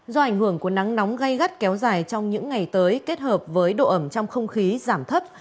do ảnh hưởng của nắng nóng gây gắt kéo dài trong những ngày tới kết hợp với độ ẩm trong không khí giảm thấp